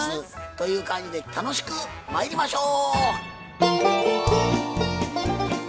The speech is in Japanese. という感じで楽しくまいりましょう！